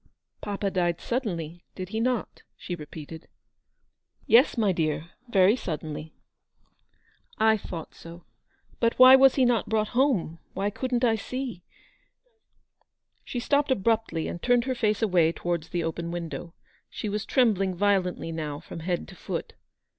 "Papa died suddenly, did he not?" she repeated. " Yes, my dear, very suddenly." " I thought so. But why was he not brought home ? Why couldn't I see —'* She stopped abruptly, and turned her face away towards the open window. She was trem bling violently now from head to foot.